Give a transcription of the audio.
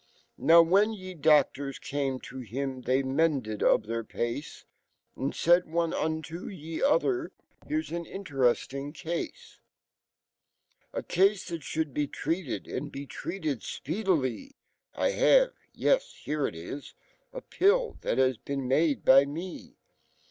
Nowwh n y c doctors came to him they rnendea of th r pace, And jald one untoy e other, w H re 's an interesting case j Acasefh* sh ld be treatedand be treated speedily. Ihave yes, hereitl5 apill th l has been made by me.